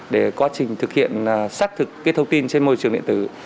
để quá trình thực hiện xác thực thông tin trên môi trường điện tử